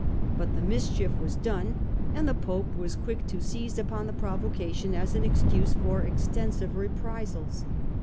But the mischief was done and the Pope was quick to seize upon the provocation as an excuse for extensive reprisals.